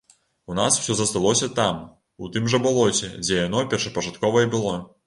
У нас усё засталося там, у тым жа балоце, дзе яно першапачаткова і было.